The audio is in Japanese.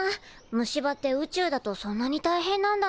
虫歯って宇宙だとそんなにたいへんなんだね。